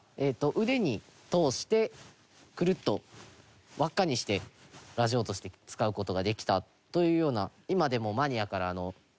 腕に通してクルッと輪っかにしてラジオとして使う事ができたというような。